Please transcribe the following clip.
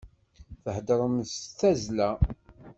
Theddṛem s tazzla.